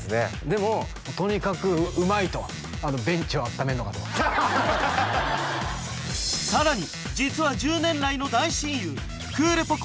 でもとにかくうまいとベンチをあっためるのがとさらに実は１０年来の大親友クールポコ。